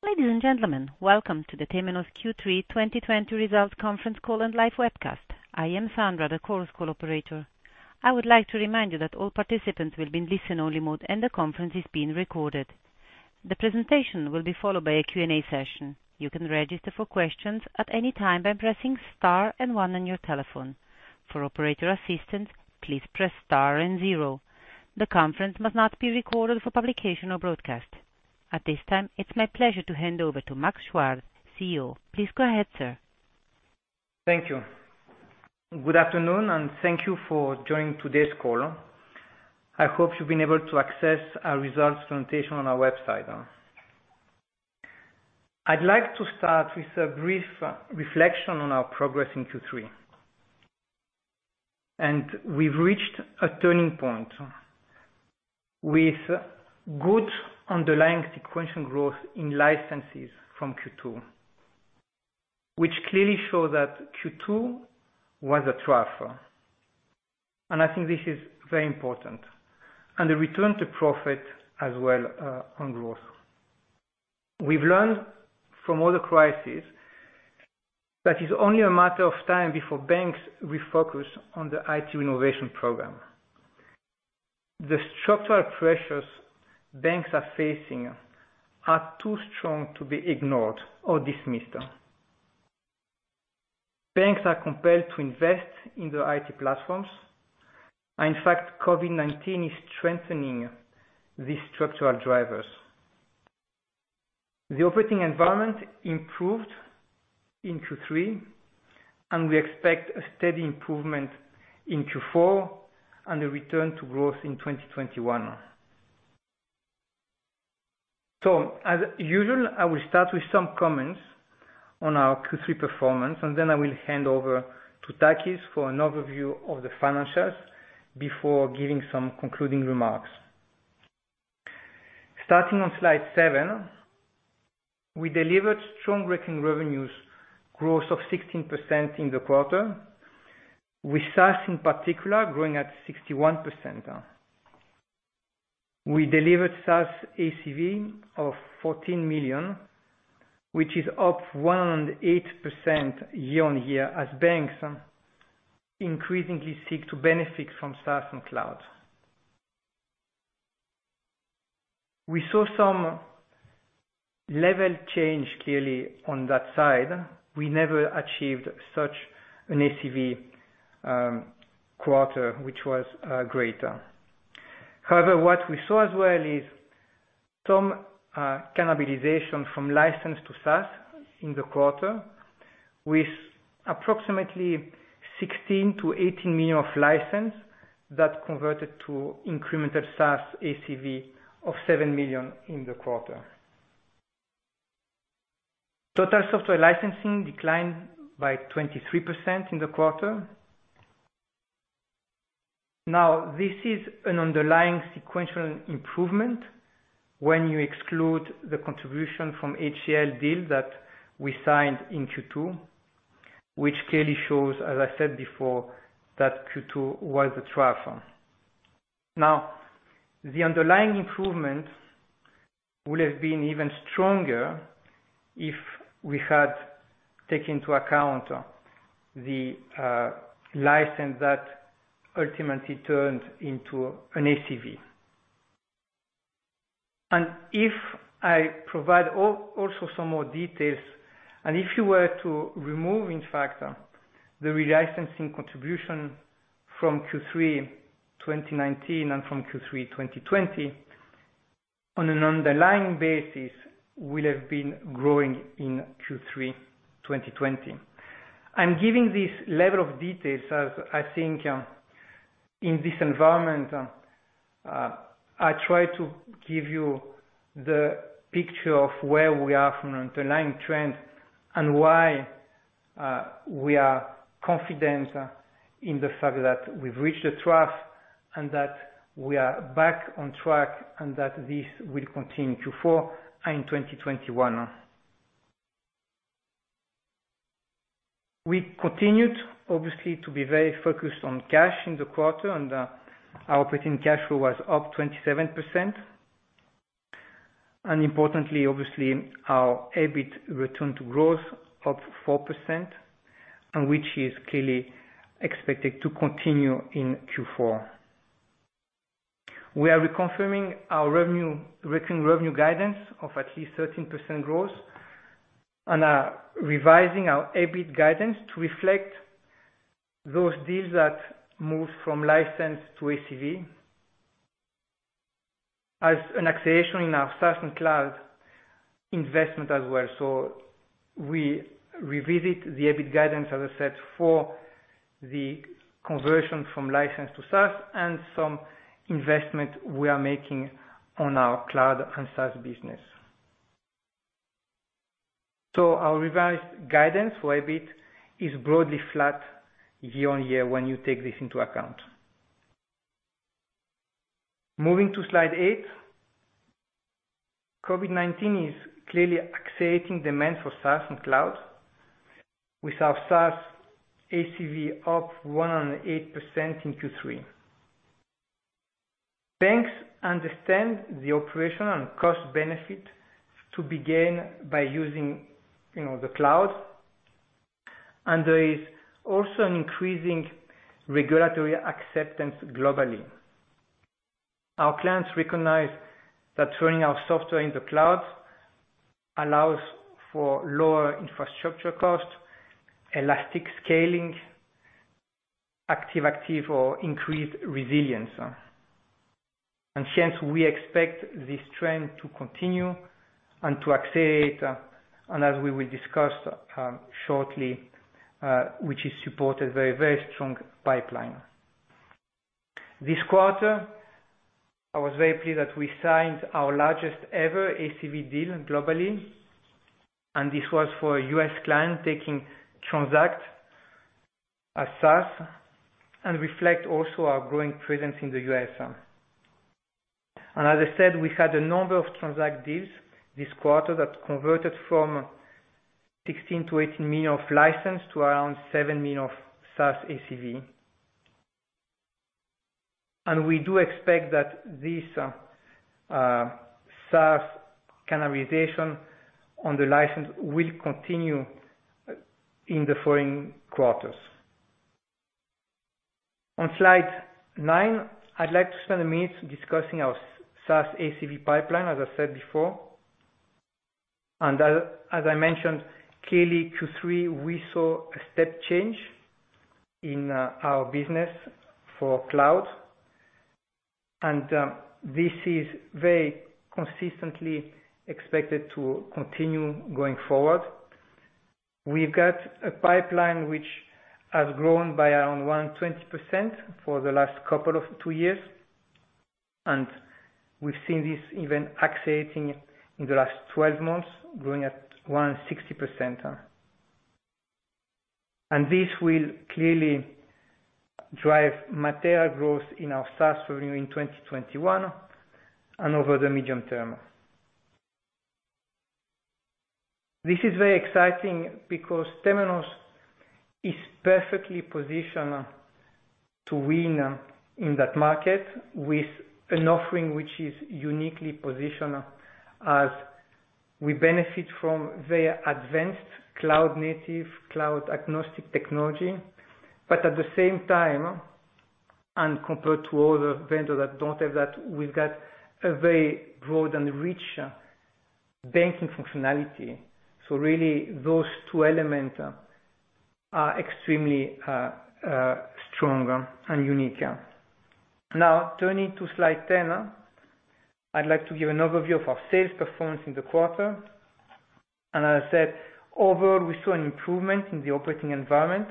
Ladies and gentlemen, welcome to the Temenos Q3 2020 Results Conference Call and Live Webcast. I am Sandra, the conference call operator. I would like to remind you that all participants will be in listen-only mode. The conference is being recorded. The presentation will be followed by a Q&A session. You can register for questions at any time by pressing star and one on your telephone. For operator assistance, please press star and zero. The conference must not be recorded for publication or broadcast. At this time, it's my pleasure to hand over to Max Chuard, CEO. Please go ahead, sir. Thank you. Good afternoon, and thank you for joining today's call. I hope you've been able to access our results presentation on our website. I'd like to start with a brief reflection on our progress in Q3. We've reached a turning point with good underlying sequential growth in licenses from Q2, which clearly show that Q2 was a trough. I think this is very important. A return to profit as well on growth. We've learned from all the crises that it's only a matter of time before banks refocus on the IT innovation program. The structural pressures banks are facing are too strong to be ignored or dismissed. Banks are compelled to invest in their IT platforms. In fact, COVID-19 is strengthening these structural drivers. The operating environment improved in Q3, and we expect a steady improvement in Q4 and a return to growth in 2021. As usual, I will start with some comments on our Q3 performance, then I will hand over to Takis for an overview of the financials before giving some concluding remarks. Starting on slide seven, we delivered strong recurring revenues growth of 16% in the quarter, with SaaS in particular growing at 61%. We delivered SaaS ACV of $14 million, which is up 108% year-on-year as banks increasingly seek to benefit from SaaS and cloud. We saw some level change clearly on that side. We never achieved such an ACV quarter, which was greater. What we saw as well is some cannibalization from license to SaaS in the quarter with approximately $16 million-$18 million of license that converted to incremental SaaS ACV of $7 million in the quarter. Total software licensing declined by 23% in the quarter. This is an underlying sequential improvement when you exclude the contribution from HCL deal that we signed in Q2, which clearly shows, as I said before, that Q2 was a trough. If I provide also some more details, if you were to remove, in fact, the relicensing contribution from Q3 2019 and from Q3 2020, on an underlying basis, we'll have been growing in Q3 2020. I'm giving this level of details as I think in this environment, I try to give you the picture of where we are from an underlying trend and why we are confident in the fact that we've reached a trough and that we are back on track and that this will continue in Q4 and 2021. We continued obviously to be very focused on cash in the quarter, and our operating cash flow was up 27%. Importantly, obviously, our EBIT return to growth up 4%, which is clearly expected to continue in Q4. We are reconfirming our recurring revenue guidance of at least 13% growth and are revising our EBIT guidance to reflect those deals that move from license to ACV as an acceleration in our SaaS and cloud investment as well. We revisit the EBIT guidance, as I said, for the conversion from license to SaaS and some investment we are making on our cloud and SaaS business. Our revised guidance for EBIT is broadly flat year on year when you take this into account. Moving to slide eight. COVID-19 is clearly accelerating demand for SaaS and cloud. With our SaaS ACV up 108% in Q3. Banks understand the operational and cost benefit to begin by using the cloud, and there is also an increasing regulatory acceptance globally. Our clients recognize that running our software in the cloud allows for lower infrastructure costs, elastic scaling, active-active, or increased resilience. Since we expect this trend to continue and to accelerate, and as we will discuss shortly, which is supported very strong pipeline. This quarter, I was very pleased that we signed our largest ever ACV deal globally, and this was for a U.S. client taking Transact as SaaS and reflect also our growing presence in the U.S. As I said, we had a number of Transact deals this quarter that converted from $16 million-$18 million of license to around $7 million of SaaS ACV. We do expect that this SaaS cannibalization on the license will continue in the following quarters. On slide nine, I'd like to spend a minute discussing our SaaS ACV pipeline, as I said before. As I mentioned, clearly Q3, we saw a step change in our business for cloud, and this is very consistently expected to continue going forward. We've got a pipeline which has grown by around 120% for the last couple of two years, and we've seen this even accelerating in the last 12 months, growing at 160%. This will clearly drive material growth in our SaaS revenue in 2021 and over the medium term. This is very exciting because Temenos is perfectly positioned to win in that market with an offering which is uniquely positioned as we benefit from very advanced cloud-native, cloud-agnostic technology. At the same time, and compared to other vendors that don't have that, we've got a very broad and rich banking functionality. Really, those two elements are extremely strong and unique. Now turning to slide 10. I'd like to give an overview of our sales performance in the quarter. As I said, overall, we saw an improvement in the operating environment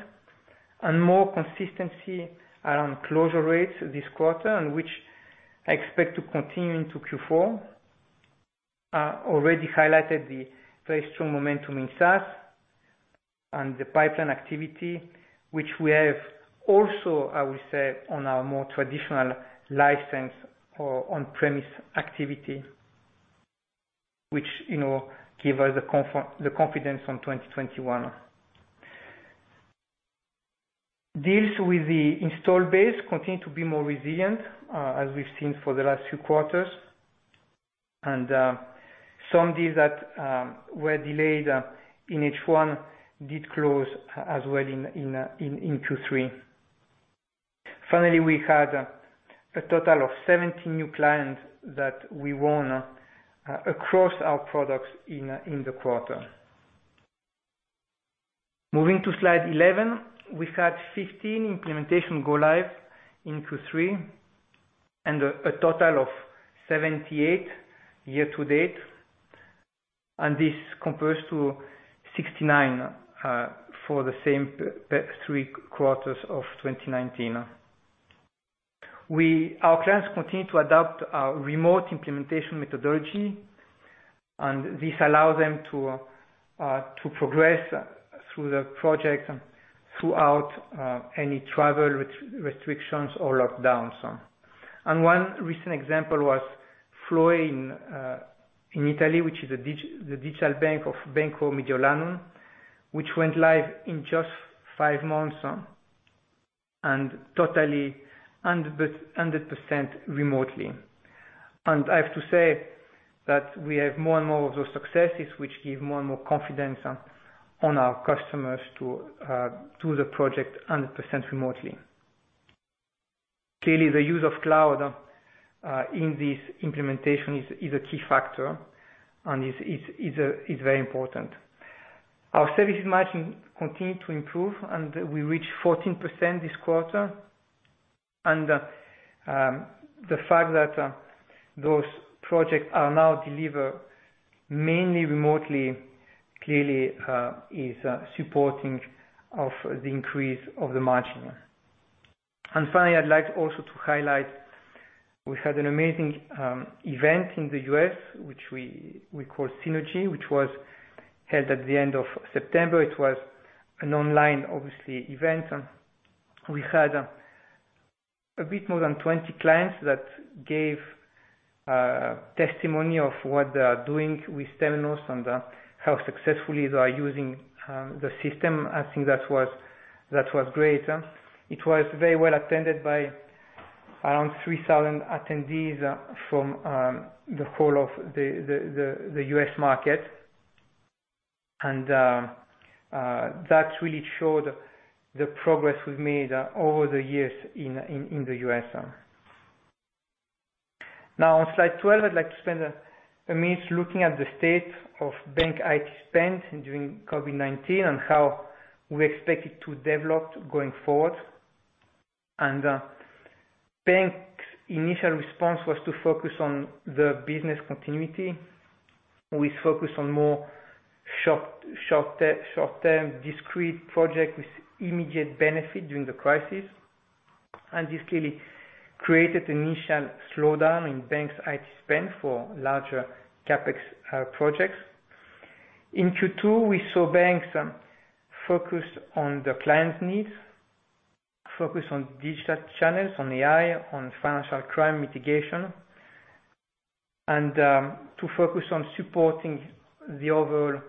and more consistency around closure rates this quarter, and which I expect to continue into Q4. I already highlighted the very strong momentum in SaaS and the pipeline activity, which we have also, I will say, on our more traditional license or on-premise activity, which give us the confidence on 2021. Deals with the install base continue to be more resilient, as we've seen for the last few quarters. Some deals that were delayed in H1 did close as well in Q3. Finally, we had a total of 70 new clients that we won across our products in the quarter. Moving to slide 11. We've had 15 implementation go live in Q3 and a total of 78 year to date. This compares to 69 for the same three quarters of 2019. Our clients continue to adopt our remote implementation methodology, this allows them to progress through the project throughout any travel restrictions or lockdowns. One recent example was Flowe in Italy, which is the digital bank of Banca Mediolanum, which went live in just five months, totally 100% remotely. I have to say that we have more and more of those successes, which give more and more confidence on our customers to the project 100% remotely. Clearly, the use of cloud in this implementation is a key factor and is very important. Our services margin continued to improve, we reached 14% this quarter. The fact that those projects are now delivered mainly remotely, clearly is supporting of the increase of the margin. Finally, I'd like also to highlight, we had an amazing event in the U.S., which we call Synergy, which was held at the end of September. It was an online, obviously, event. We had a bit more than 20 clients that gave testimony of what they are doing with Temenos and how successfully they are using the system. I think that was great. It was very well attended by around 3,000 attendees from the whole of the U.S. market. That really showed the progress we've made over the years in the U.S. Now, on slide 12, I'd like to spend a minute looking at the state of bank IT spend during COVID-19, and how we expect it to develop going forward. Banks' initial response was to focus on the business continuity, with focus on more short-term discrete project with immediate benefit during the crisis. This clearly created initial slowdown in banks' IT spend for larger CapEx projects. In Q2, we saw banks focus on the client's needs, focus on digital channels, on AI, on financial crime mitigation, and to focus on supporting the overall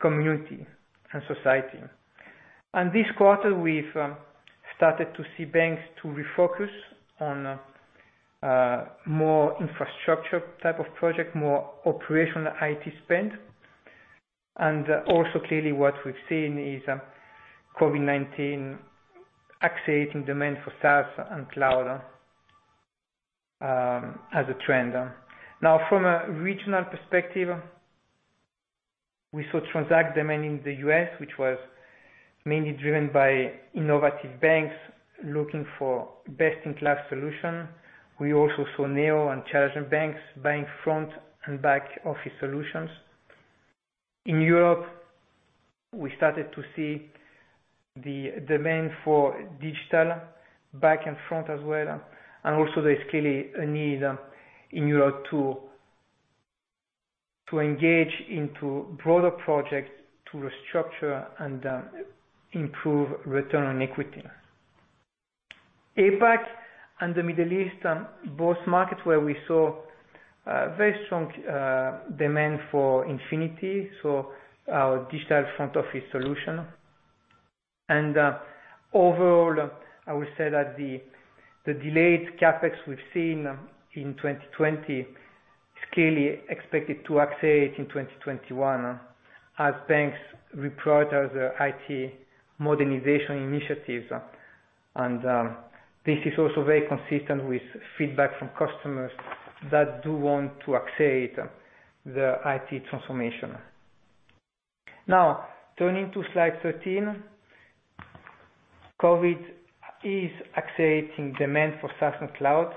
community and society. This quarter, we've started to see banks to refocus on more infrastructure type of project, more operational IT spend. Also clearly what we've seen is COVID-19 accelerating demand for SaaS and cloud as a trend. From a regional perspective, we saw Transact demand in the U.S., which was mainly driven by innovative banks looking for best-in-class solution. We also saw neo and challenger banks buying front and back office solutions. In Europe, we started to see the demand for digital back and front as well, and also there's clearly a need in Europe to engage into broader projects to restructure and improve return on equity. APAC and the Middle East, both markets where we saw very strong demand for Infinity, so our digital front office solution. Overall, I would say that the delayed CapEx we've seen in 2020 is clearly expected to accelerate in 2021 as banks prioritize their IT modernization initiatives. This is also very consistent with feedback from customers that do want to accelerate their IT transformation. Now, turning to slide 13. COVID is accelerating demand for SaaS and cloud.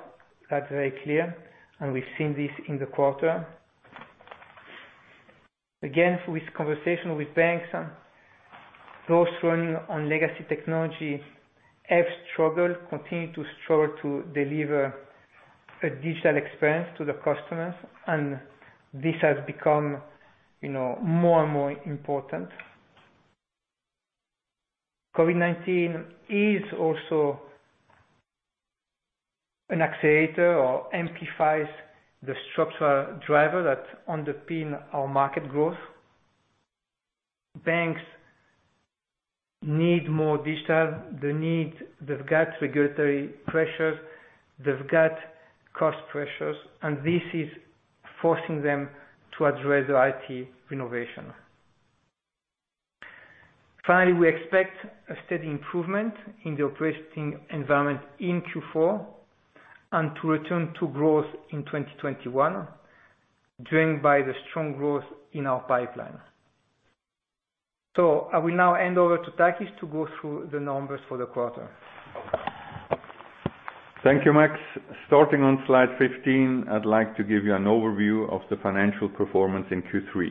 That's very clear, and we've seen this in the quarter. With conversation with banks, those running on legacy technology have struggled, continue to struggle to deliver a digital experience to the customers, and this has become more and more important. COVID-19 is also an accelerator or amplifies the structural driver that underpin our market growth. Banks need more digital. They've got regulatory pressures, they've got cost pressures, and this is forcing them to address their IT renovation. Finally, we expect a steady improvement in the operating environment in Q4 and to return to growth in 2021, driven by the strong growth in our pipeline. I will now hand over to Takis to go through the numbers for the quarter. Thank you, Max. Starting on slide 15, I'd like to give you an overview of the financial performance in Q3.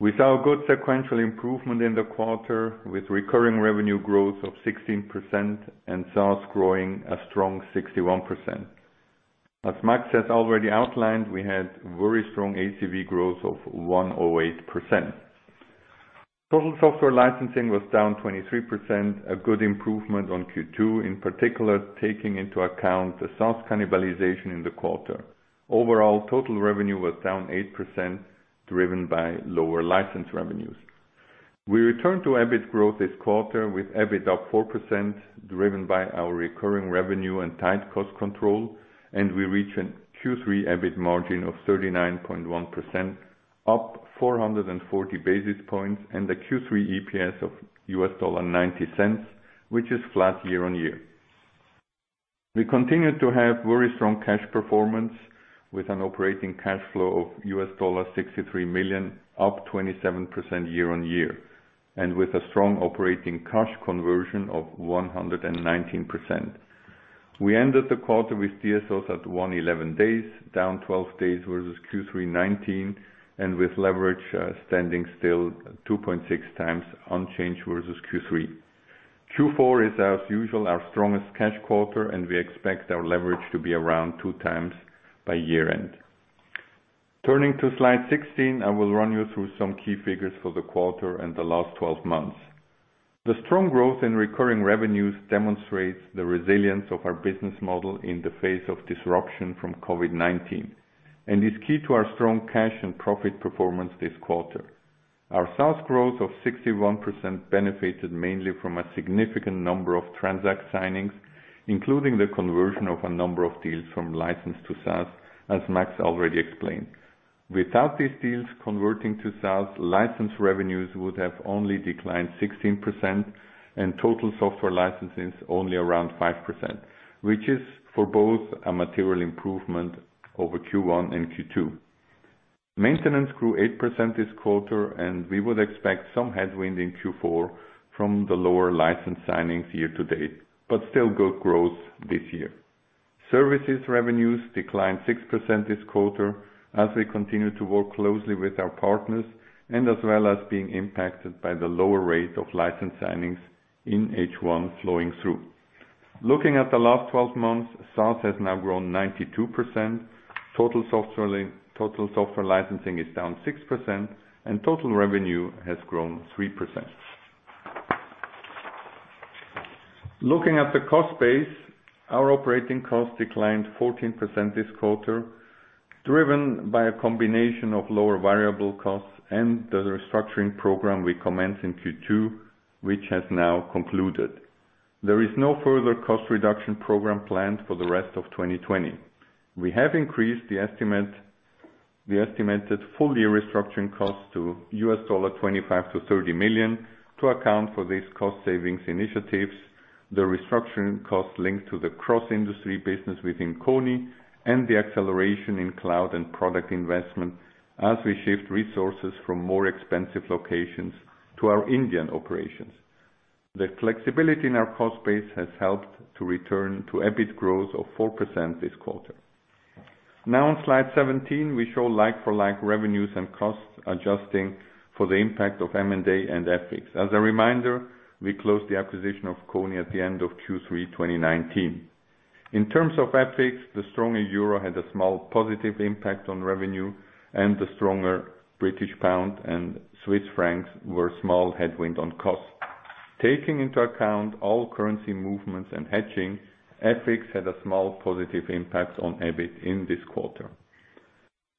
We saw good sequential improvement in the quarter with recurring revenue growth of 16% and SaaS growing a strong 61%. As Max has already outlined, we had very strong ACV growth of 108%. Total software licensing was down 23%, a good improvement on Q2, in particular, taking into account the SaaS cannibalization in the quarter. Overall, total revenue was down 8%, driven by lower license revenues. We returned to EBIT growth this quarter with EBIT up 4%, driven by our recurring revenue and tight cost control, and we reach a Q3 EBIT margin of 39.1%, up 440 basis points, and a Q3 EPS of $90, which is flat year-on-year. We continue to have very strong cash performance with an operating cash flow of US$63 million, up 27% year-on-year, and with a strong operating cash conversion of 119%. We ended the quarter with DSOs at 111 days, down 12 days versus Q3 2019, and with leverage standing still 2.6 times unchanged versus Q3. Q4 is, as usual, our strongest cash quarter, and we expect our leverage to be around two times by year-end. Turning to slide 16, I will run you through some key figures for the quarter and the last 12 months. The strong growth in recurring revenues demonstrates the resilience of our business model in the face of disruption from COVID-19 and is key to our strong cash and profit performance this quarter. Our SaaS growth of 61% benefited mainly from a significant number of Transact signings, including the conversion of a number of deals from license to SaaS, as Max already explained. Without these deals converting to SaaS, license revenues would have only declined 16% and total software licensing only around 5%, which is for both a material improvement over Q1 and Q2. Maintenance grew 8% this quarter, and we would expect some headwind in Q4 from the lower license signings year to date, but still good growth this year. Services revenues declined 6% this quarter as we continue to work closely with our partners and as well as being impacted by the lower rate of license signings in H1 flowing through. Looking at the last 12 months, SaaS has now grown 92%, total software licensing is down 6%, and total revenue has grown 3%. Looking at the cost base, our operating costs declined 14% this quarter, driven by a combination of lower variable costs and the restructuring program we commenced in Q2, which has now concluded. There is no further cost reduction program planned for the rest of 2020. We have increased the estimated full-year restructuring cost to $25 million to $30 million to account for these cost savings initiatives, the restructuring cost linked to the cross-industry business within Kony, and the acceleration in cloud and product investment as we shift resources from more expensive locations to our Indian operations. The flexibility in our cost base has helped to return to EBIT growth of 4% this quarter. Now on slide 17, we show like-for-like revenues and costs adjusting for the impact of M&A and FX. As a reminder, we closed the acquisition of Kony at the end of Q3 2019. In terms of FX, the stronger euro had a small positive impact on revenue and the stronger British pound and Swiss francs were a small headwind on costs. Taking into account all currency movements and hedging, FX had a small positive impact on EBIT in this quarter.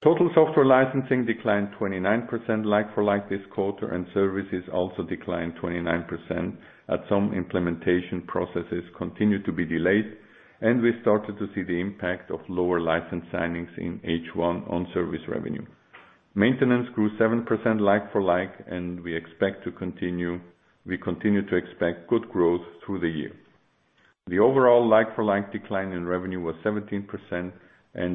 Total software licensing declined 29% like-for-like this quarter. Services also declined 29% as some implementation processes continued to be delayed and we started to see the impact of lower license signings in H1 on service revenue. Maintenance grew 7% like-for-like. We continue to expect good growth through the year. The overall like-for-like decline in revenue was 17%.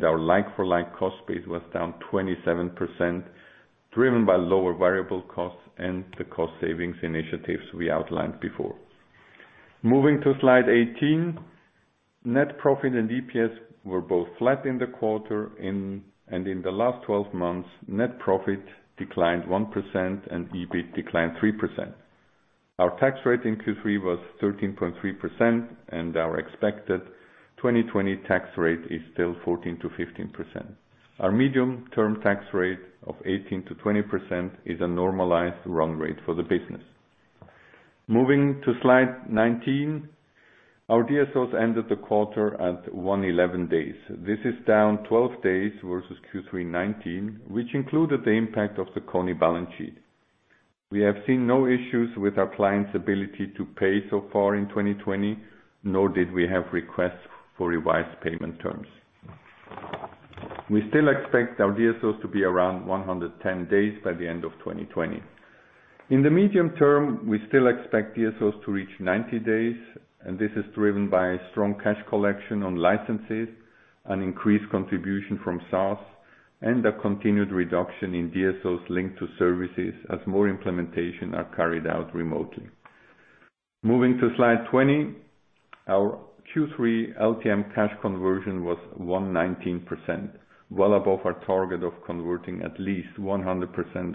Our like-for-like cost base was down 27%, driven by lower variable costs and the cost savings initiatives we outlined before. Moving to slide 18, net profit and EPS were both flat in the quarter, and in the last 12 months, net profit declined 1% and EBIT declined 3%. Our tax rate in Q3 was 13.3%, and our expected 2020 tax rate is still 14% to 15%. Our medium-term tax rate of 18% to 20% is a normalized run rate for the business. Moving to slide 19, our DSOs ended the quarter at 111 days. This is down 12 days versus Q3 2019, which included the impact of the Kony balance sheet. We have seen no issues with our clients' ability to pay so far in 2020, nor did we have requests for revised payment terms. We still expect our DSOs to be around 110 days by the end of 2020. In the medium term, we still expect DSOs to reach 90 days, and this is driven by strong cash collection on licenses and increased contribution from SaaS and a continued reduction in DSOs linked to services as more implementation are carried out remotely. Moving to slide 20, our Q3 LTM cash conversion was 119%, well above our target of converting at least 100%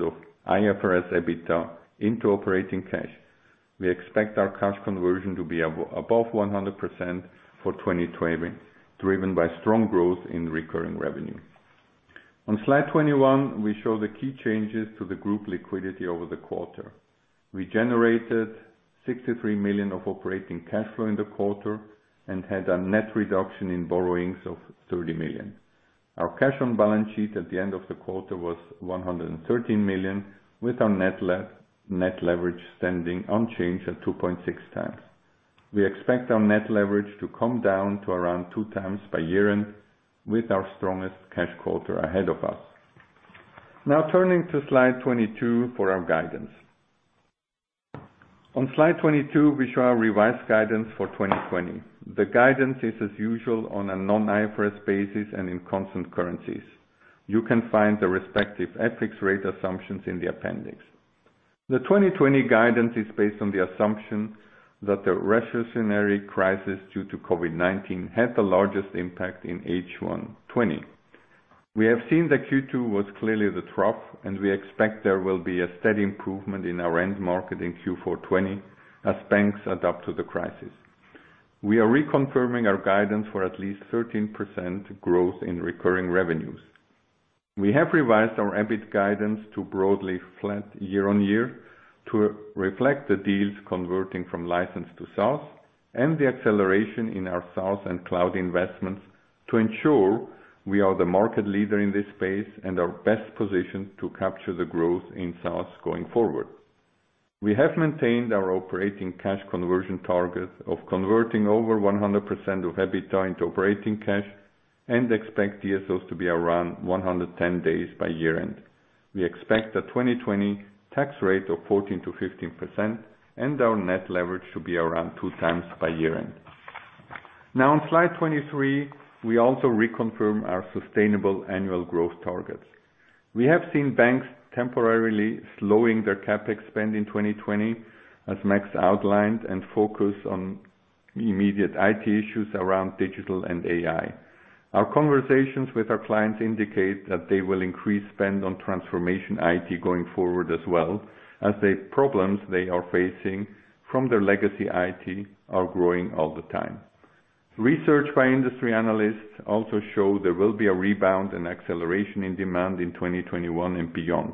of IFRS EBITDA into operating cash. We expect our cash conversion to be above 100% for 2020, driven by strong growth in recurring revenue. On slide 21, we show the key changes to the group liquidity over the quarter. We generated $63 million of operating cash flow in the quarter and had a net reduction in borrowings of $30 million. Our cash on the balance sheet at the end of the quarter was $113 million, with our net leverage standing unchanged at 2.6 times. We expect our net leverage to come down to around two times by year-end, with our strongest cash quarter ahead of us. Turning to slide 22 for our guidance. On slide 22, we show our revised guidance for 2020. The guidance is as usual on a non-IFRS basis and in constant currencies. You can find the respective FX rate assumptions in the appendix. The 2020 guidance is based on the assumption that the recessionary crisis due to COVID-19 had the largest impact in H1 2020. We have seen that Q2 was clearly the trough and we expect there will be a steady improvement in our end market in Q4 2020 as banks adapt to the crisis. We are reconfirming our guidance for at least 13% growth in recurring revenues. We have revised our EBIT guidance to broadly flat year-on-year to reflect the deals converting from license to SaaS and the acceleration in our SaaS and cloud investments to ensure we are the market leader in this space and are best positioned to capture the growth in SaaS going forward. We have maintained our operating cash conversion target of converting over 100% of EBITDA into operating cash and expect DSOs to be around 110 days by year-end. We expect a 2020 tax rate of 14%-15% and our net leverage to be around two times by year-end. Now on slide 23, we also reconfirm our sustainable annual growth targets. We have seen banks temporarily slowing their CapEx spend in 2020, as Max outlined, and focus on immediate IT issues around digital and AI. Our conversations with our clients indicate that they will increase spend on transformation IT going forward as well as the problems they are facing from their legacy IT are growing all the time. Research by industry analysts also show there will be a rebound and acceleration in demand in 2021 and beyond.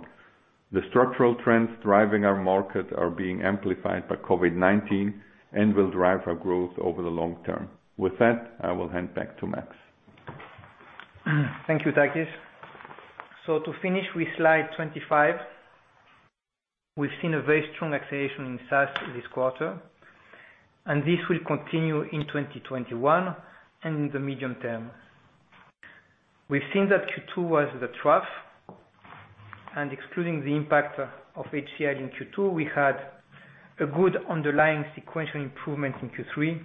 The structural trends driving our market are being amplified by COVID-19 and will drive our growth over the long term. With that, I will hand back to Max. Thank you, Takis. To finish with slide 25, we've seen a very strong acceleration in SaaS this quarter, and this will continue in 2021 and in the medium term. We've seen that Q2 was the trough, and excluding the impact of HCL in Q2, we had a good underlying sequential improvement in Q3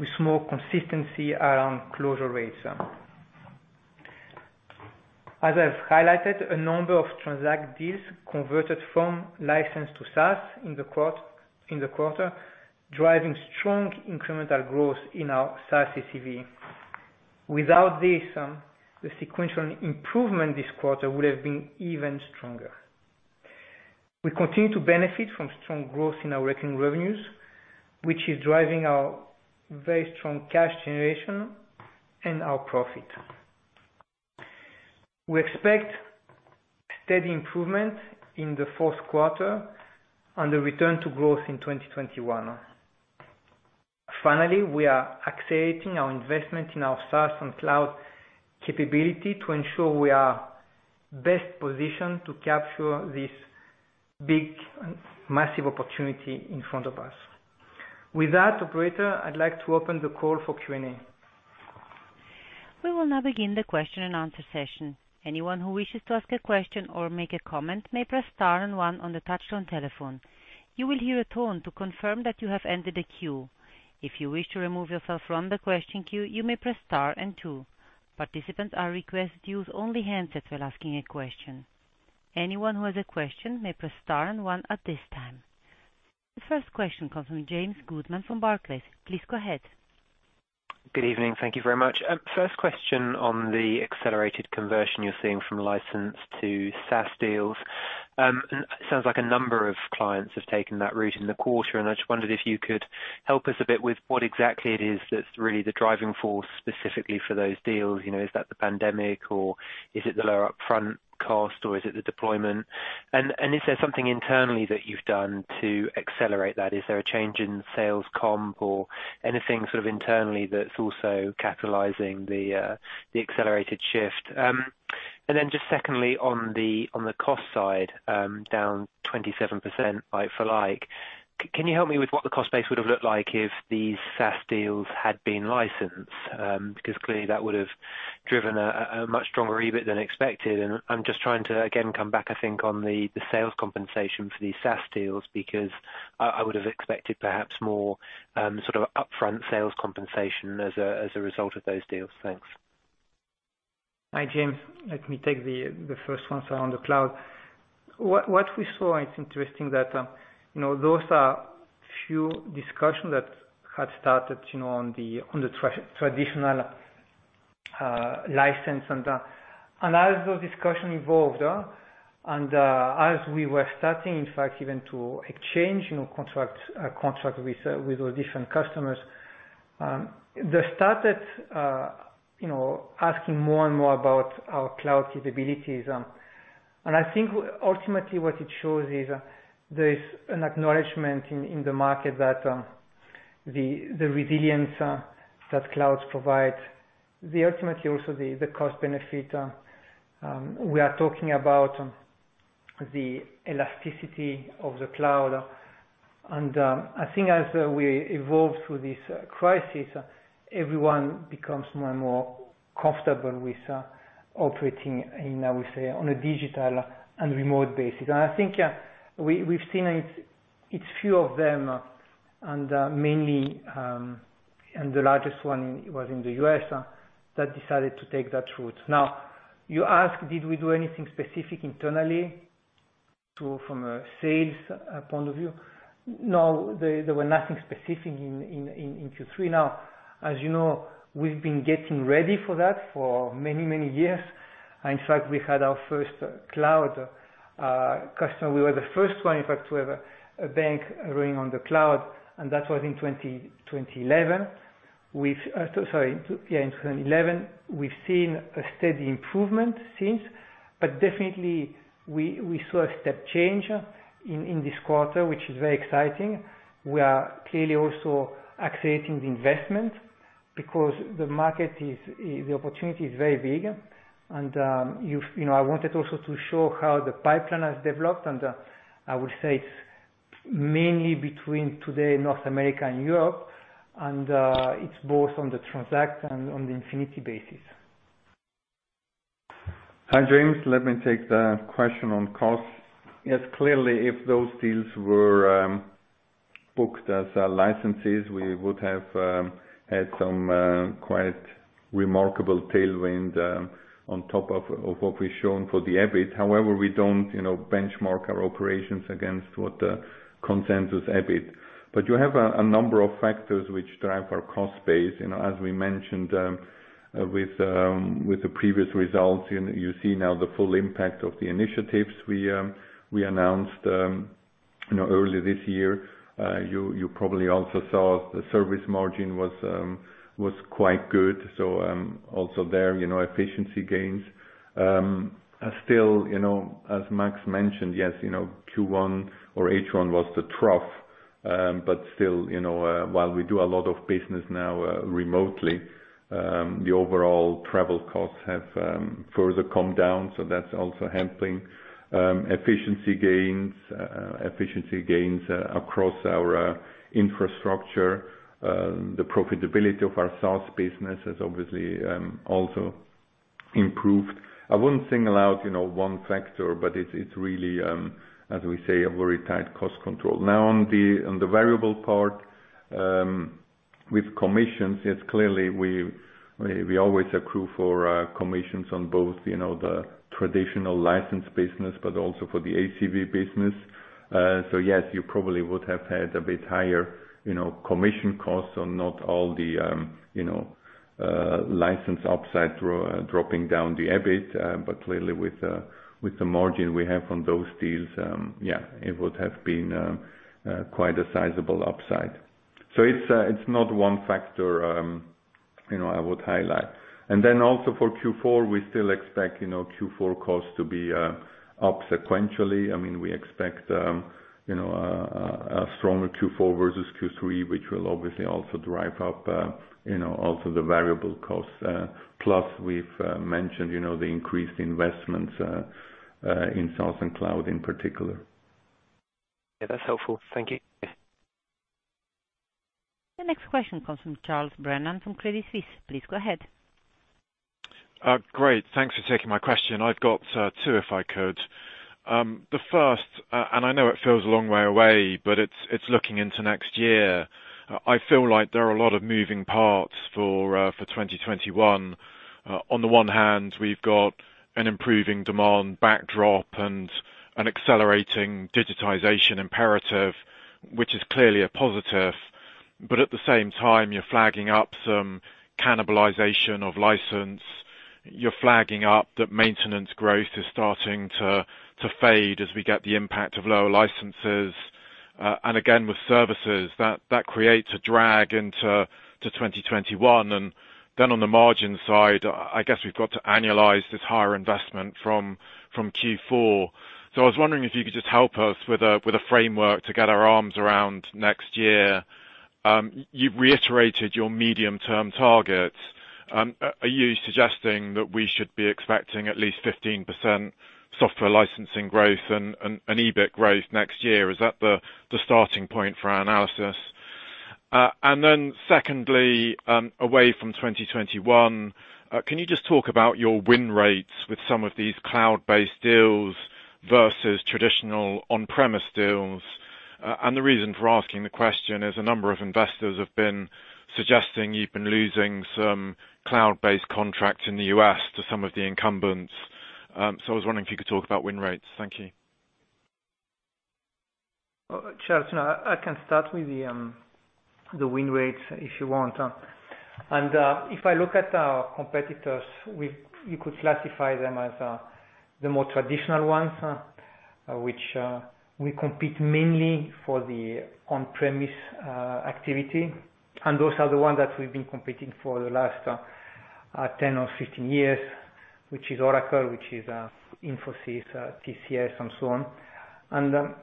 with more consistency around closure rates. As I've highlighted, a number of Transact deals converted from licensed to SaaS in the quarter, driving strong incremental growth in our SaaS ACV. Without this, the sequential improvement this quarter would have been even stronger. We continue to benefit from strong growth in our recurring revenues, which is driving our very strong cash generation and our profit. We expect steady improvement in the fourth quarter and a return to growth in 2021. We are accelerating our investment in our SaaS and cloud capability to ensure we are best positioned to capture this big, massive opportunity in front of us. With that, operator, I'd like to open the call for Q&A. The first question comes from James Goodman from Barclays. Please go ahead. Good evening. Thank you very much. First question on the accelerated conversion you're seeing from license to SaaS deals. It sounds like a number of clients have taken that route in the quarter. I just wondered if you could help us a bit with what exactly it is that's really the driving force specifically for those deals. Is that the pandemic or is it the lower upfront cost, or is it the deployment? Is there something internally that you've done to accelerate that? Is there a change in sales comp or anything sort of internally that's also capitalizing the accelerated shift? Just secondly, on the cost side, down 27% like for like, can you help me with what the cost base would have looked like if these SaaS deals had been licensed? Clearly that would have driven a much stronger EBIT than expected. I'm just trying to, again, come back, I think, on the sales compensation for these SaaS deals, because I would have expected perhaps more sort of upfront sales compensation as a result of those deals. Thanks. Hi, James. Let me take the first one on the cloud. What we saw, it's interesting that those are few discussions that had started on the traditional license and that. As those discussion evolved, as we were starting, in fact, even to exchange contracts with those different customers, they started asking more and more about our cloud capabilities. I think ultimately what it shows is there is an acknowledgment in the market that the resilience that clouds provide, ultimately also the cost benefit. We are talking about the elasticity of the cloud. I think as we evolve through this crisis, everyone becomes more and more comfortable with operating in, I would say, on a digital and remote basis. I think we've seen it's few of them, and mainly the largest one was in the U.S. that decided to take that route. You asked, did we do anything specific internally from a sales point of view? There were nothing specific in Q3. As you know, we've been getting ready for that for many, many years. We had our first cloud customer. We were the first one, in fact, to have a bank running on the cloud, and that was in 2011. We've seen a steady improvement since, but definitely we saw a step change in this quarter, which is very exciting. We are clearly also accelerating the investment because the opportunity is very big. I wanted also to show how the pipeline has developed, and I would say it's mainly between today North America and Europe, and it's both on the Transact and on the Infinity basis. Hi, James. Let me take the question on costs. Clearly, if those deals were booked as licenses, we would have had some quite remarkable tailwind on top of what we've shown for the EBIT. We don't benchmark our operations against what the consensus EBIT. You have a number of factors which drive our cost base. As we mentioned with the previous results, you see now the full impact of the initiatives we announced early this year. You probably also saw the service margin was quite good. Also there, efficiency gains. As Max mentioned, yes, Q1 or H1 was the trough. Still, while we do a lot of business now remotely, the overall travel costs have further come down, so that's also helping. Efficiency gains across our infrastructure. The profitability of our SaaS business has obviously also improved. I wouldn't single out one factor. It's really, as we say, a very tight cost control. On the variable part, with commissions, yes, clearly, we always accrue for commissions on both the traditional license business, but also for the ACV business. Yes, you probably would have had a bit higher commission costs on not all the license upside dropping down the EBIT. Clearly with the margin we have on those deals, yeah, it would have been quite a sizable upside. It's not one factor I would highlight. Then also for Q4, we still expect Q4 costs to be up sequentially. We expect a stronger Q4 versus Q3, which will obviously also drive up the variable costs. We've mentioned the increased investments in SaaS and cloud in particular. Yeah, that's helpful. Thank you. The next question comes from Charles Brennan from Credit Suisse. Please go ahead. Great. Thanks for taking my question. I've got two, if I could. The first, and I know it feels a long way away, but it's looking into next year. I feel like there are a lot of moving parts for 2021. On the one hand, we've got an improving demand backdrop and an accelerating digitization imperative, which is clearly a positive. At the same time, you're flagging up some cannibalization of license. You're flagging up that maintenance growth is starting to fade as we get the impact of lower licenses. Again, with services, that creates a drag into 2021. On the margin side, I guess we've got to annualize this higher investment from Q4. I was wondering if you could just help us with a framework to get our arms around next year. You've reiterated your medium-term targets. Are you suggesting that we should be expecting at least 15% software licensing growth and EBIT growth next year? Is that the starting point for our analysis? Secondly, away from 2021, can you just talk about your win rates with some of these cloud-based deals versus traditional on-premise deals? The reason for asking the question is a number of investors have been suggesting you've been losing some cloud-based contracts in the U.S. to some of the incumbents. I was wondering if you could talk about win rates. Thank you. Charles, I can start with the win rates if you want. If I look at our competitors, you could classify them as the more traditional ones, which we compete mainly for the on-premise activity. Those are the ones that we've been competing for the last 10 or 15 years, which is Oracle, which is Infosys, TCS, and so on.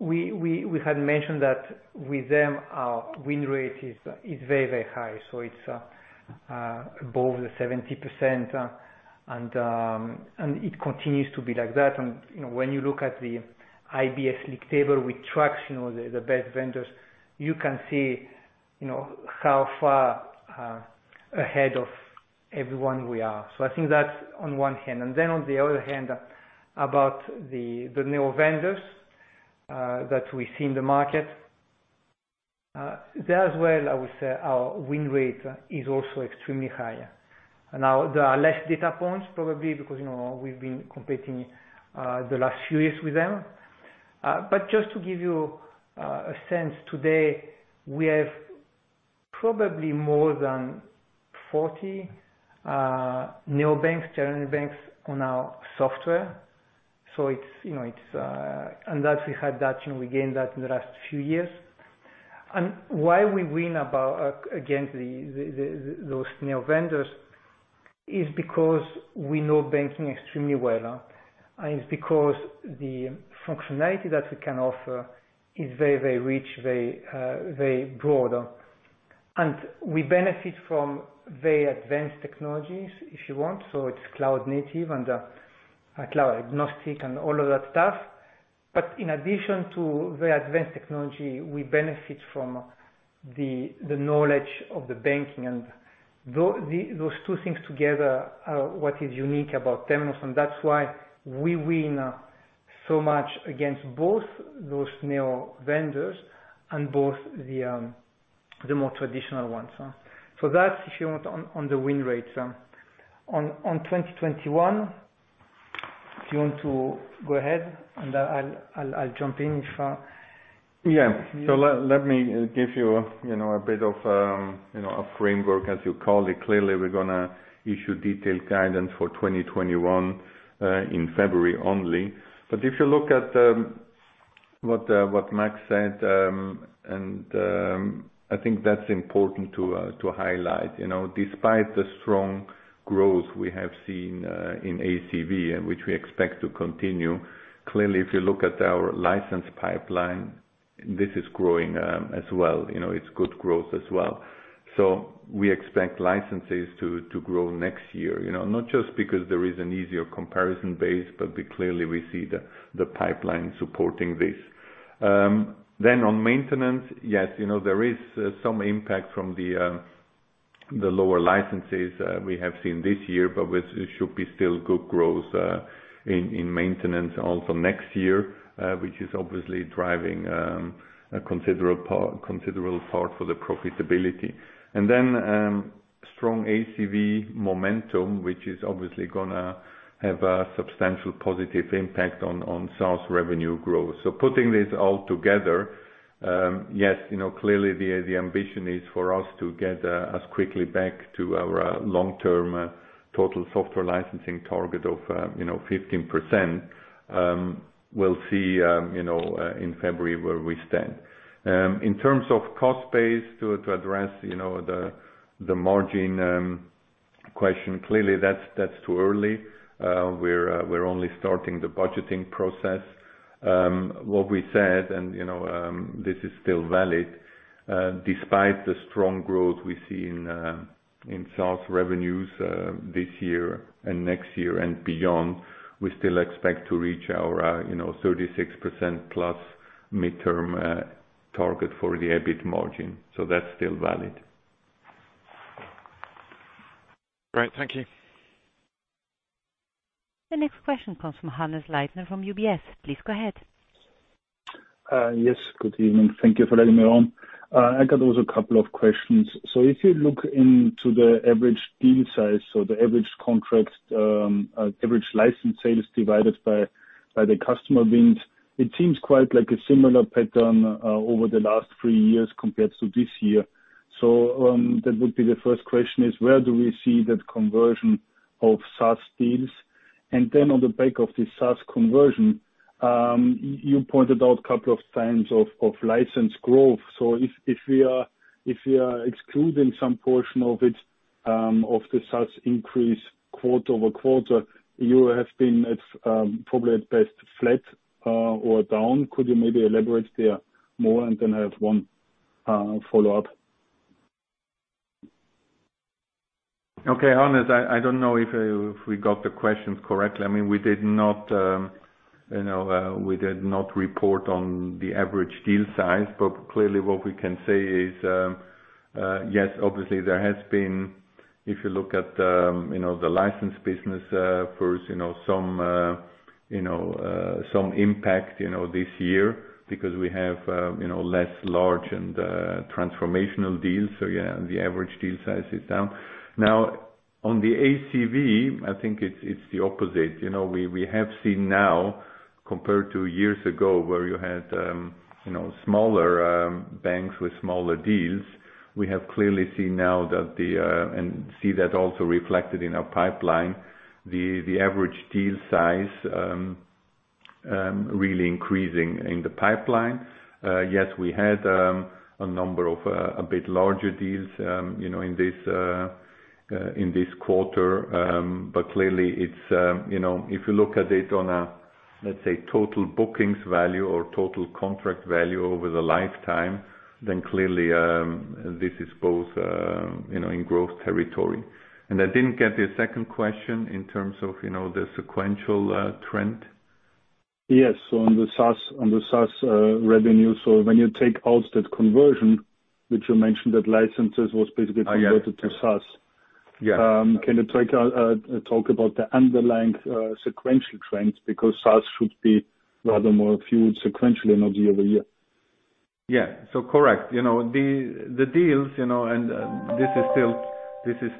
We had mentioned that with them, our win rate is very high. It's above the 70%, and it continues to be like that. When you look at the IBS league table, we track the best vendors. You can see how far ahead of everyone we are. I think that's on one hand. On the other hand, about the new vendors that we see in the market. There as well, I would say our win rate is also extremely high. There are less data points, probably because we've been competing the last few years with them. Just to give you a sense today, we have probably more than 40 neobanks, challenger banks on our software. We gained that in the last few years. Why we win against those neo vendors is because we know banking extremely well, and it's because the functionality that we can offer is very rich, very broad. We benefit from very advanced technologies, if you want. It's cloud native and cloud agnostic and all of that stuff. In addition to the advanced technology, we benefit from the knowledge of the banking. Those two things together are what is unique about Temenos, and that's why we win so much against both those neo vendors and both the more traditional ones. That's if you want on the win rates. On 2021, if you want to go ahead and I'll jump in. Yeah. Let me give you a bit of a framework, as you call it. Clearly, we're going to issue detailed guidance for 2021 in February only. If you look at what Max said, and I think that's important to highlight. Despite the strong growth we have seen in ACV and which we expect to continue, clearly, if you look at our license pipeline, this is growing as well. It's good growth as well. We expect licenses to grow next year. Not just because there is an easier comparison base, but clearly we see the pipeline supporting this. On maintenance, yes, there is some impact from the lower licenses we have seen this year, but it should be still good growth in maintenance also next year, which is obviously driving a considerable part for the profitability. Strong ACV momentum, which is obviously going to have a substantial positive impact on SaaS revenue growth. Putting this all together, yes, clearly the ambition is for us to get as quickly back to our long-term total software licensing target of 15%. We'll see in February where we stand. In terms of cost base to address the margin question, clearly that's too early. We're only starting the budgeting process. What we said, and this is still valid, despite the strong growth we see in SaaS revenues this year and next year and beyond, we still expect to reach our 36%-plus midterm target for the EBIT margin. That's still valid. Great. Thank you. The next question comes from Hannes Leitner from UBS. Please go ahead. Yes. Good evening. Thank you for letting me on. I got also a couple of questions. If you look into the average deal size or the average contract, average license sales divided by the customer wins, it seems quite like a similar pattern over the last three years compared to this year. That would be the first question is, where do we see that conversion of SaaS deals? On the back of the SaaS conversion, you pointed out a couple of times of license growth. If we are excluding some portion of it, of the SaaS increase quarter-over-quarter, you have been at, probably at best flat or down. Could you maybe elaborate there more? I have one follow-up. Okay. Hannes, I don't know if we got the questions correctly. We did not report on the average deal size. Clearly what we can say is, yes, obviously there has been, if you look at the license business first, some impact this year because we have less large and transformational deals. Yeah, the average deal size is down. On the ACV, I think it's the opposite. We have seen now compared to years ago where you had smaller banks with smaller deals, we have clearly seen now and see that also reflected in our pipeline, the average deal size really increasing in the pipeline. Yes, we had a number of a bit larger deals in this quarter. Clearly, if you look at it on a, let's say, total bookings value or total contract value over the lifetime, then clearly, this is both in growth territory. I didn't get the second question in terms of the sequential trend. Yes. On the SaaS revenue. When you take out that conversion, which you mentioned that licenses was basically converted to SaaS. Yes. Can you talk about the underlying sequential trends? SaaS should be rather more fueled sequentially than year-over-year. Yeah. Correct. The deals, this is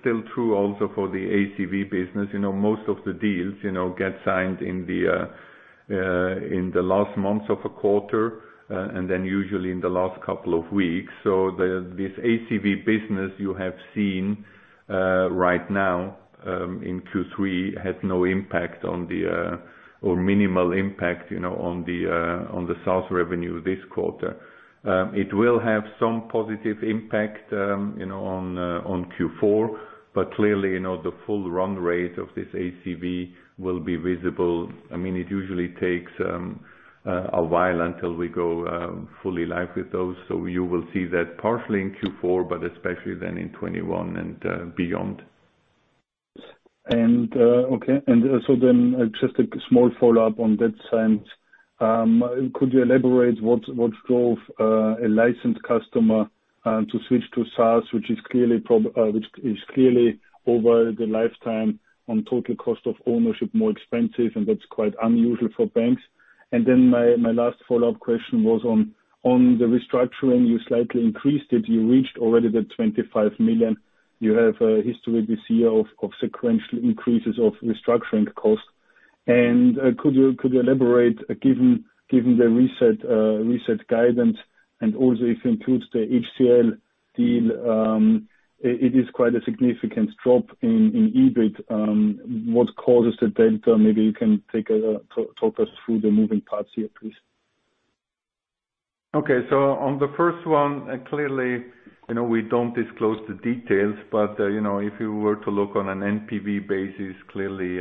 still true also for the ACV business. Most of the deals get signed in the last months of a quarter, usually in the last couple of weeks. This ACV business you have seen right now in Q3 had no impact or minimal impact on the SaaS revenue this quarter. It will have some positive impact on Q4, clearly, the full run rate of this ACV will be visible. It usually takes a while until we go fully live with those. You will see that partially in Q4, especially then in 2021 and beyond. Okay. just a small follow-up on that side. Could you elaborate what drove a licensed customer to switch to SaaS, which is clearly over the lifetime on total cost of ownership more expensive, and that's quite unusual for banks. My last follow-up question was on the restructuring, you slightly increased it. You reached already the $25 million. You have a history with CEO of sequential increases of restructuring costs. Could you elaborate, given the reset guidance and also if it includes the HCL deal, it is quite a significant drop in EBIT. What causes the delta? Maybe you can talk us through the moving parts here, please. Okay. On the first one, clearly, we don't disclose the details, but if you were to look on an NPV basis, clearly,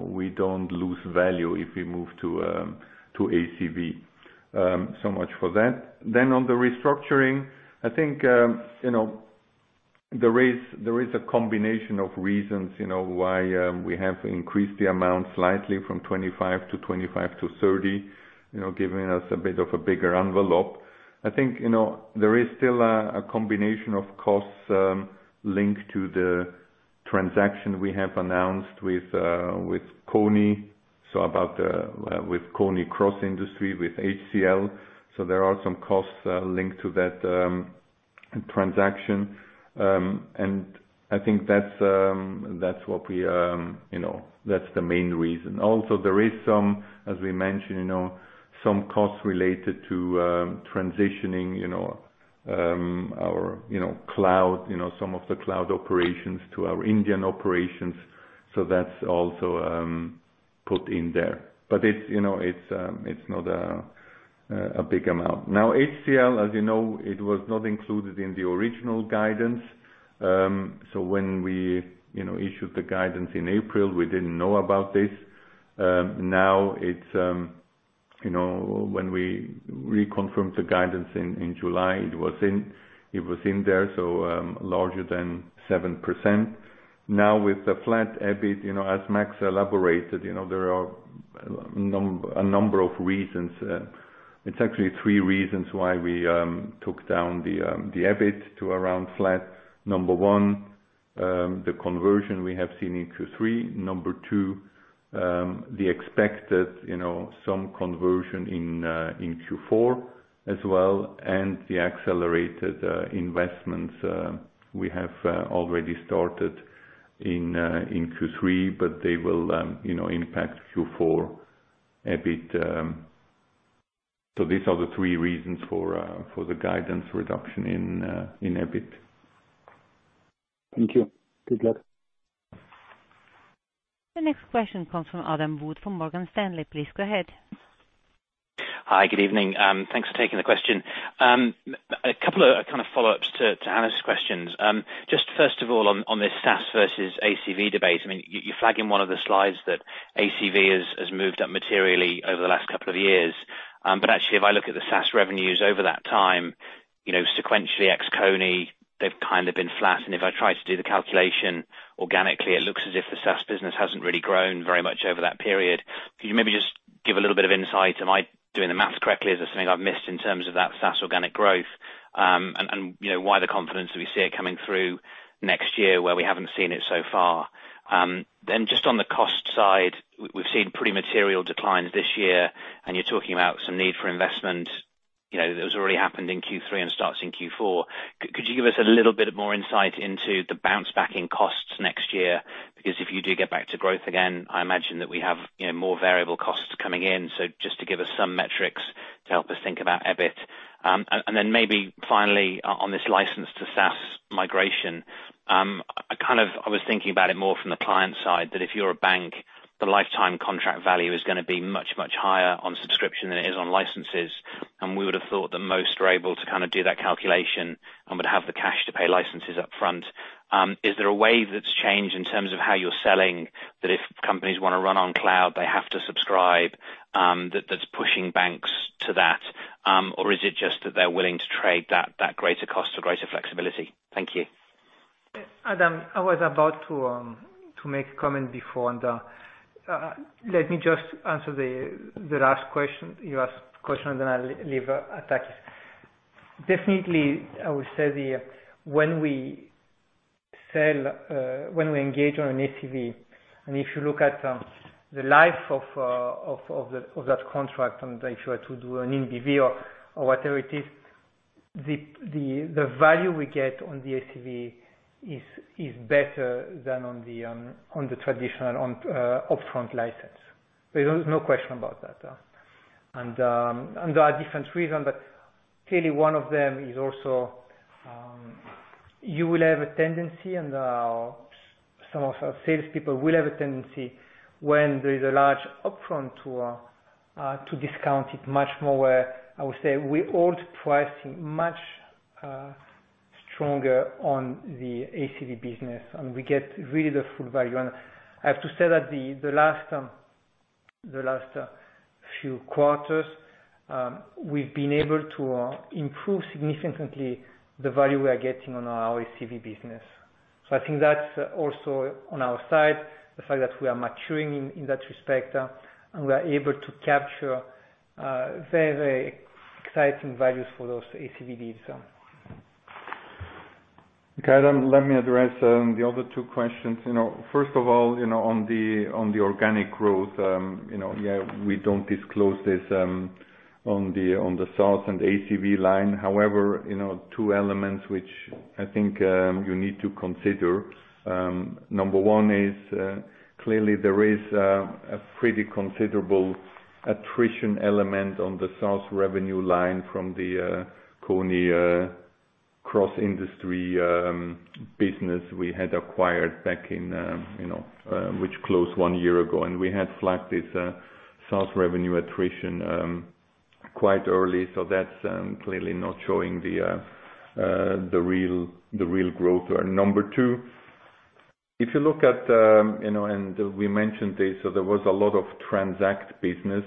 we don't lose value if we move to ACV. Much for that. On the restructuring, I think there is a combination of reasons why we have increased the amount slightly from $25 to $30, giving us a bit of a bigger envelope. I think there is still a combination of costs linked to the transaction we have announced with Kony, with Kony Cross Industry, with HCL. There are some costs linked to that transaction. I think that's the main reason. Also, there is some, as we mentioned, some costs related to transitioning some of the cloud operations to our Indian operations. That's also put in there. It's not a big amount. HCL, as you know, it was not included in the original guidance. When we issued the guidance in April, we didn't know about this. When we reconfirmed the guidance in July, it was in there, so larger than 7%. With the flat EBIT, as Max elaborated, there are a number of reasons. It's actually three reasons why we took down the EBIT to around flat. Number one, the conversion we have seen in Q3. Number two, the expected some conversion in Q4 as well, and the accelerated investments we have already started in Q3, but they will impact Q4 EBIT. These are the three reasons for the guidance reduction in EBIT. Thank you. Good luck. The next question comes from Adam Wood from Morgan Stanley. Please go ahead. Hi. Good evening. Thanks for taking the question. A couple of follow-ups to Hannes' questions. Just first of all, on this SaaS versus ACV debate, you flag in one of the slides that ACV has moved up materially over the last couple of years. Actually, if I look at the SaaS revenues over that time, sequentially ex-Kony, they've been flat. If I try to do the calculation organically, it looks as if the SaaS business hasn't really grown very much over that period. Could you maybe just give a little bit of insight? Am I doing the math correctly? Is there something I've missed in terms of that SaaS organic growth? Why the confidence that we see it coming through next year where we haven't seen it so far. Just on the cost side, we've seen pretty material declines this year, and you're talking about some need for investment. That was already happened in Q3 and starts in Q4. Could you give us a little bit more insight into the bounce back in costs next year? If you do get back to growth again, I imagine that we have more variable costs coming in. Just to give us some metrics to help us think about EBIT. Maybe finally on this license to SaaS migration, I was thinking about it more from the client side, that if you're a bank, the lifetime contract value is going to be much, much higher on subscription than it is on licenses. We would have thought that most are able to do that calculation and would have the cash to pay licenses up front. Is there a way that's changed in terms of how you're selling, that if companies want to run on cloud, they have to subscribe, that's pushing banks to that? Is it just that they're willing to trade that greater cost to greater flexibility? Thank you. Adam, I was about to make a comment before and let me just answer the last question you asked, and then I'll leave Takis. Definitely, I would say when we. sell when we engage on an ACV. If you look at the life of that contract, if you are to do an NPV or whatever it is, the value we get on the ACV is better than on the traditional upfront license. There's no question about that. There are different reasons, but clearly one of them is also, you will have a tendency, and some of our salespeople will have a tendency when there's a large upfront tool, to discount it much more where I would say we hold pricing much stronger on the ACV business, and we get really the full value. I have to say that the last few quarters, we've been able to improve significantly the value we are getting on our ACV business. I think that's also on our side, the fact that we are maturing in that respect, and we are able to capture very exciting values for those ACVs. Okay. Let me address the other two questions. First of all, on the organic growth, yeah, we don't disclose this on the SaaS and ACV line. Two elements which I think you need to consider. Number one is, clearly there is a pretty considerable attrition element on the SaaS revenue line from the Kony cross-industry business we had acquired back in which closed one year ago. We had flagged this SaaS revenue attrition quite early. That's clearly not showing the real growth. Number two, if you look at, we mentioned this, there was a lot of Transact business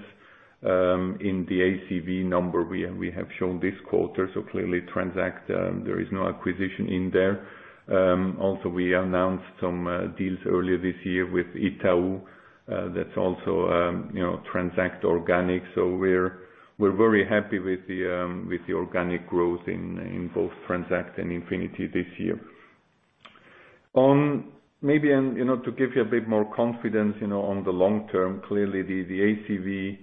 in the ACV number we have shown this quarter. Clearly Transact, there is no acquisition in there. We announced some deals earlier this year with Itaú. That's also Transact organic. We're very happy with the organic growth in both Transact and Infinity this year. Maybe to give you a bit more confidence, on the long term, clearly the ACV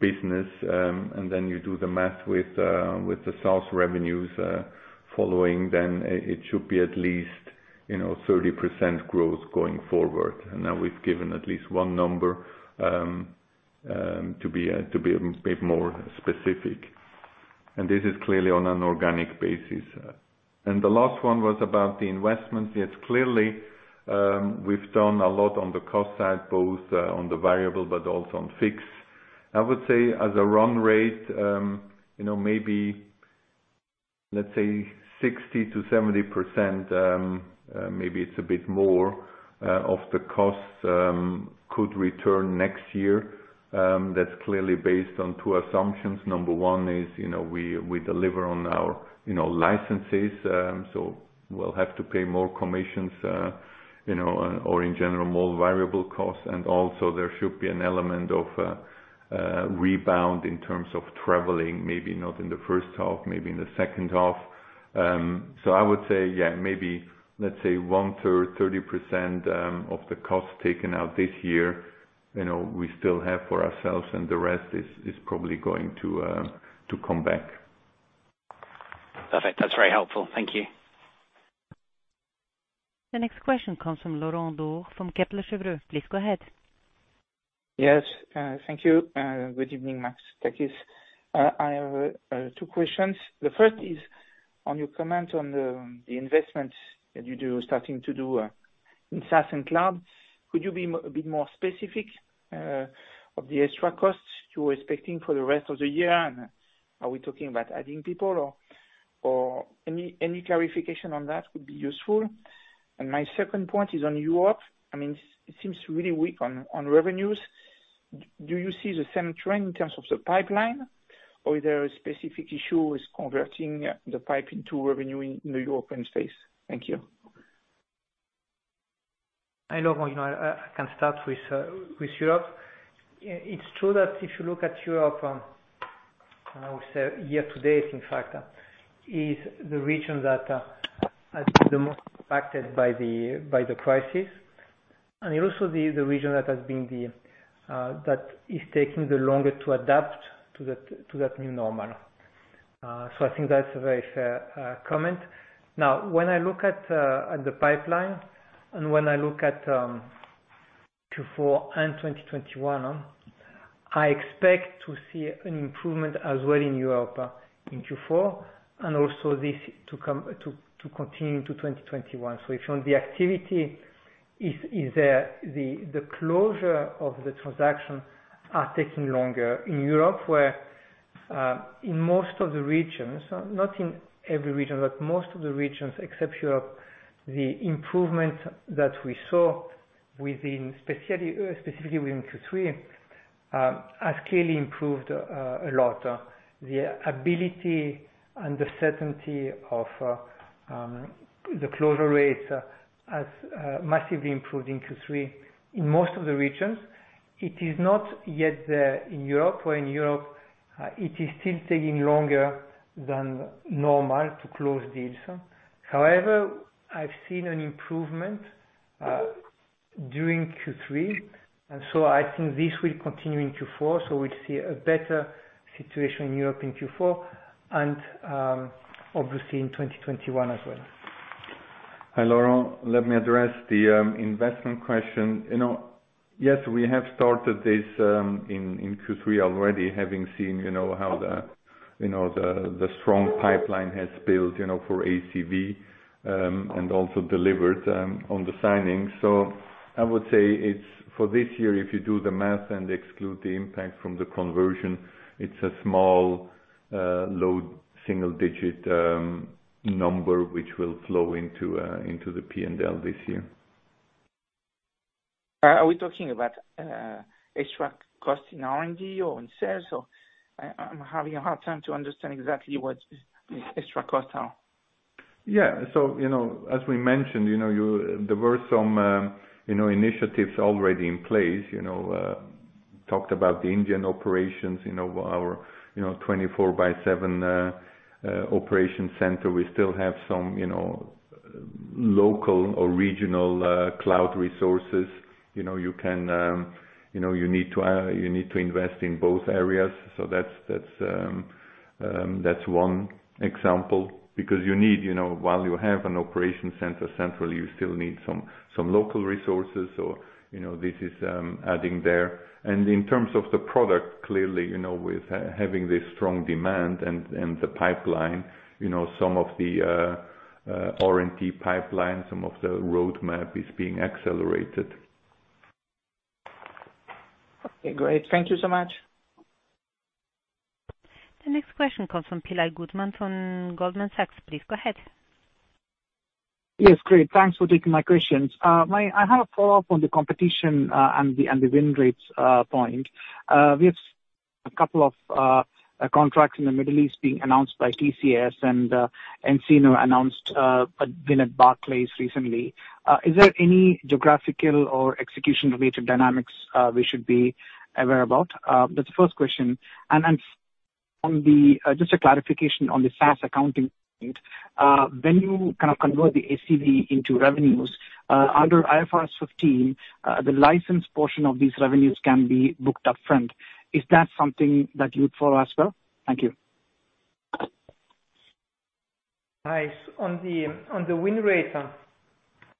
business, then you do the math with the SaaS revenues following, then it should be at least 30% growth going forward. Now we've given at least one number to be a bit more specific. This is clearly on an organic basis. The last one was about the investments. Yes, clearly, we've done a lot on the cost side, both on the variable, but also on fixed. I would say as a run rate, maybe, let's say 60%-70%, maybe it's a bit more, of the costs could return next year. That's clearly based on two assumptions. Number one is, we deliver on our licenses. We'll have to pay more commissions, or in general, more variable costs. Also there should be an element of rebound in terms of traveling, maybe not in the first half, maybe in the second half. I would say, yeah, maybe, let's say one third, 30% of the cost taken out this year, we still have for ourselves, and the rest is probably going to come back. Perfect. That's very helpful. Thank you. The next question comes from Laurent Daure from Kepler Cheuvreux. Please go ahead. Yes. Thank you. Good evening, Max, Takis. I have two questions. The first is on your comment on the investments that you do, starting to do in SaaS and cloud. Could you be a bit more specific, of the extra costs you're expecting for the rest of the year? Are we talking about adding people, or any clarification on that would be useful. My second point is on Europe. It seems really weak on revenues. Do you see the same trend in terms of the pipeline or is there a specific issue with converting the pipe into revenue in the European space? Thank you. Hi, Laurent. I can start with Europe. It's true that if you look at Europe, and I would say year to date, in fact, is the region that has been the most impacted by the crisis, and also the region that is taking the longest to adapt to that new normal. I think that's a very fair comment. Now, when I look at the pipeline and when I look at Q4 and 2021, I expect to see an improvement as well in Europe in Q4 and also this to continue to 2021. If the activity is there, the closure of the transaction are taking longer in Europe, where in most of the regions, not in every region, but most of the regions except Europe, the improvement that we saw specifically within Q3, has clearly improved a lot. The ability and the certainty of the closure rates has massively improved in Q3 in most of the regions. It is not yet there in Europe, where in Europe it is still taking longer than normal to close deals. However, I've seen an improvement during Q3, and so I think this will continue in Q4. We'll see a better situation in Europe in Q4 and obviously in 2021 as well. Hi, Laurent. Let me address the investment question. Yes, we have started this in Q3 already, having seen how the strong pipeline has built for ACV, and also delivered on the signings. I would say for this year, if you do the math and exclude the impact from the conversion, it's a small, low, single-digit number, which will flow into the P&L this year. Are we talking about extra cost in R&D or in sales? I'm having a hard time to understand exactly what is extra cost. As we mentioned, there were some initiatives already in place. We talked about the Indian operations, our 24 by 7 operation center. We still have some local or regional cloud resources. You need to invest in both areas. That's one example. You need, while you have an operation center centrally, you still need some local resources. This is adding there. In terms of the product, clearly, with having this strong demand and the pipeline, some of the R&D pipeline, some of the roadmap is being accelerated. Okay, great. Thank you so much. The next question comes from Pilai Goodman on Goldman Sachs. Please go ahead. Yes. Great. Thanks for taking my questions. I have a follow-up on the competition, and the win rates point. We have a couple of contracts in the Middle East being announced by TCS and nCino announced a win at Barclays recently. Is there any geographical or execution-related dynamics we should be aware about? That's the first question. Just a clarification on the SaaS accounting point. When you convert the ACV into revenues, under IFRS 15, the license portion of these revenues can be booked upfront. Is that something that you'd follow as well? Thank you. Nice. On the win rate.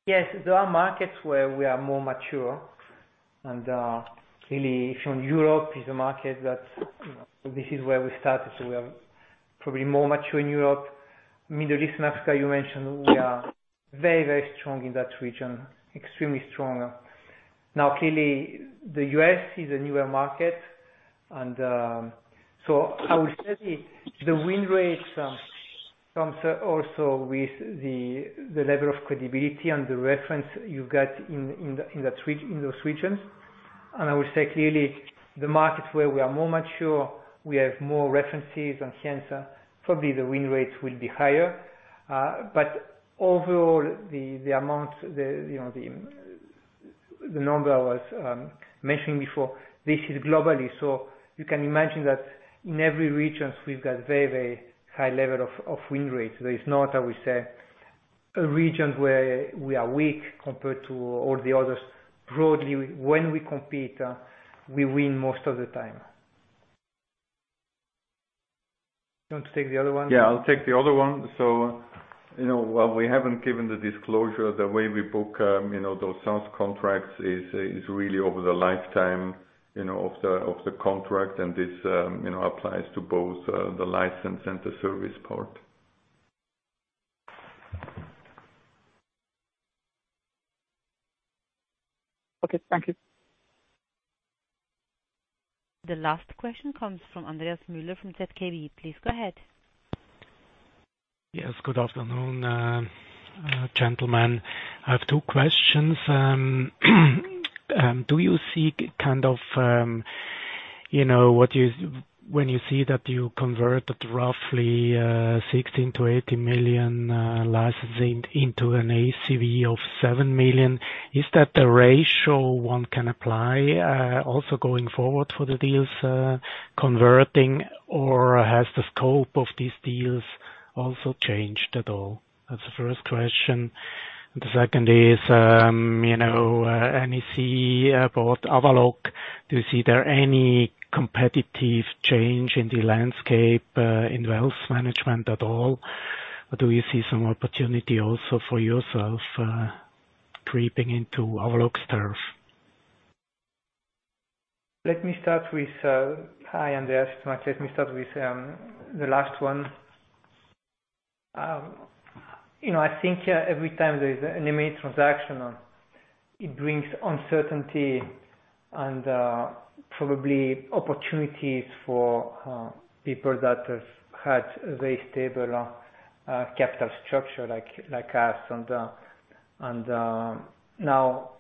Yes, there are markets where we are more mature. Clearly, if you're in Europe is a market that this is where we started, so we are probably more mature in Europe, Middle East and Africa, you mentioned we are very, very strong in that region, extremely strong. Clearly, the U.S. is a newer market. I would say the win rate comes also with the level of credibility and the reference you got in those regions. I would say, clearly, the markets where we are more mature, we have more references and hence, probably the win rates will be higher. Overall, the amount, the number I was mentioning before, this is globally. You can imagine that in every regions we've got very, very high level of win rates. There is not, I would say, a region where we are weak compared to all the others. Broadly, when we compete, we win most of the time. Do you want to take the other one? Yeah, I'll take the other one. While we haven't given the disclosure, the way we book those SaaS contracts is really over the lifetime of the contract. This applies to both the license and the service part. Okay. Thank you. The last question comes from Andreas Müller from ZKB. Please go ahead. Yes. Good afternoon, gentlemen. I have two questions. Do you seek, when you see that you converted roughly $16 million-$18 million licensing into an ACV of $7 million, is that the ratio one can apply, also going forward for the deals converting? Has the scope of these deals also changed at all? That's the first question. The second is, NEC bought Avaloq. Do you see there any competitive change in the landscape, in wealth management at all? Do you see some opportunity also for yourself creeping into Avaloq's turf? Let me start with Hi, Andreas. Let me start with the last one. I think every time there's an M&A transaction, it brings uncertainty and, probably opportunities for people that have had very stable capital structure like us. Now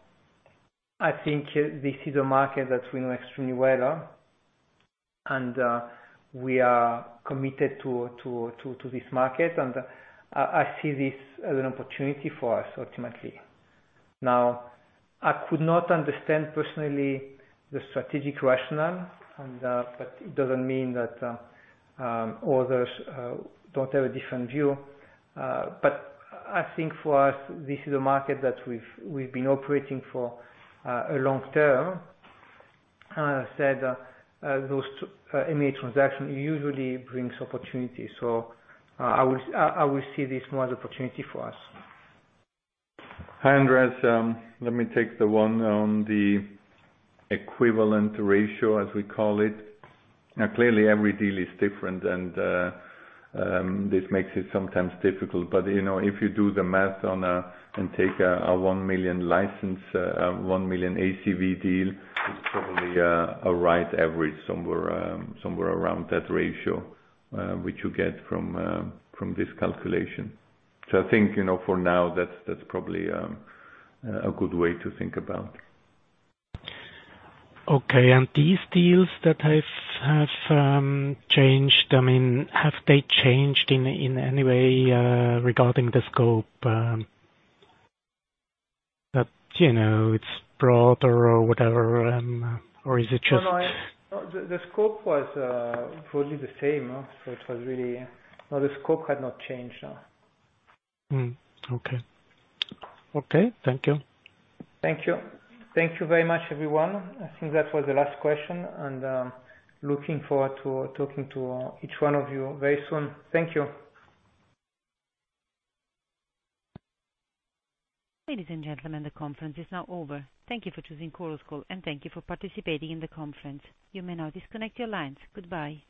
I think this is a market that we know extremely well. We are committed to this market, and I see this as an opportunity for us, ultimately. Now, I could not understand personally the strategic rationale, but it doesn't mean that others don't have a different view. I think for us, this is a market that we've been operating for a long term. As I said, those M&A transaction usually brings opportunities. I will see this more as opportunity for us. Hi, Andreas Müller. Let me take the one on the equivalent ratio, as we call it. Clearly every deal is different, and this makes it sometimes difficult. If you do the math and take a 1 million license, a 1 million ACV deal, it's probably a right average somewhere around that ratio, which you get from this calculation. I think for now, that's probably a good way to think about. Okay. These deals that have changed, have they changed in any way regarding the scope? That it's broader or whatever. No, the scope was fully the same. No, the scope had not changed. Okay. Thank you. Thank you. Thank you very much, everyone. I think that was the last question, and looking forward to talking to each one of you very soon. Thank you. Ladies and gentlemen, the conference is now over. Thank you for choosing Chorus Call, and thank you for participating in the conference. You may now disconnect your lines. Goodbye.